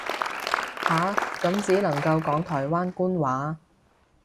下，咁只能夠叫台灣官話